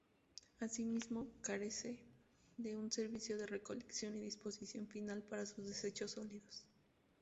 Asimismo carecen de un servicio de recolección y disposición final para sus desechos sólidos.